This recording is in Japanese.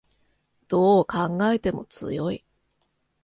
どう考えても強い